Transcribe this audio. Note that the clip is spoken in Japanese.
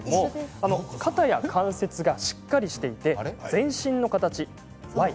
肩や関節がしっかりしていて全身の形Ｙ。